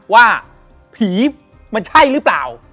ว่าผีมันใช่หรือเปล่า